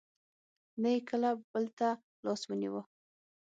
نه یې کله بل ته لاس ونېوه.